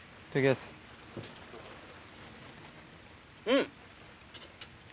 うん！